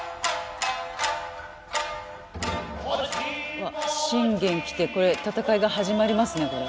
うわっ信玄来てこれ戦いが始まりますねこれ。